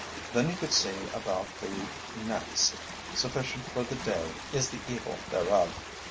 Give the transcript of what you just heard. Then you could see about the next: sufficient for the day is the evil thereof.